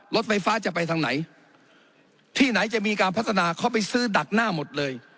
รถไฟฟ้าจะไปทางไหนที่ไหนจะมีการพัฒนาเขาไปซื้อดักหน้าหมดเลย